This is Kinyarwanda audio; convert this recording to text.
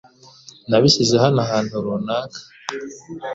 Nabishyize hano ahantu runaka .